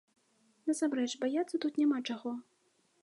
Насамрэч, баяцца тут няма чаго.